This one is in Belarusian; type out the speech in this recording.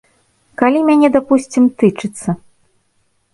Калі мяне, дапусцім, тычыцца.